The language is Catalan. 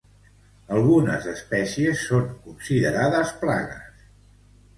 Algunes espècies són considerades plagues.